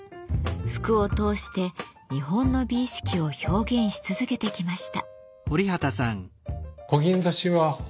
服を通して日本の美意識を表現し続けてきました。